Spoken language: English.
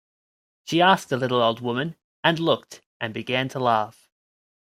She asked the little old woman; and looked, and began to laugh.